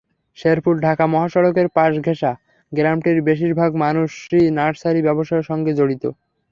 শেরপুর-ঢাকা মহাসড়কের পাশঘেঁষা গ্রামটির বেশির ভাগ মানুষই নার্সারি ব্যবসার সঙ্গে জড়িত।